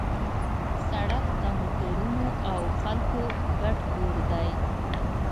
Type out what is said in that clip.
سړک د موټرونو او خلکو ګډ کور دی.